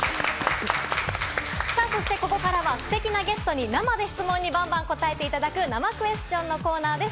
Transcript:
そして、ここからはステキなゲストに生で質問にバンバン答えていただく、生クエスチョンのコーナーです。